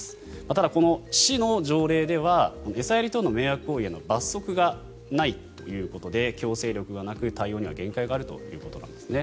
ただ、この市の条例では餌やり等の迷惑行為への罰則がないということで強制力がなく対応には限界があるということなんですね。